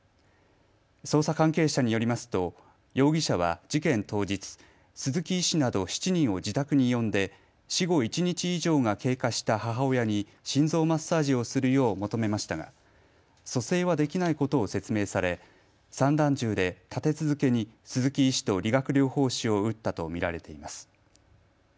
捜査関係者によりますと容疑者は事件当日、鈴木医師など７人を自宅に呼んで死後１日以上が経過した母親に心臓マッサージをするよう求めましたが蘇生はできないことを説明され散弾銃で立て続けに鈴木医師と理学療法士を撃ったと見られています。